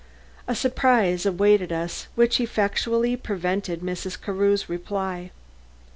A surprise awaited us which effectually prevented Mrs. Carew's reply.